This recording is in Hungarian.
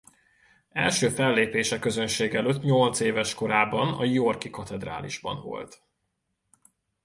Első fellépése közönség előtt nyolcéves korában a yorki katedrálisban volt.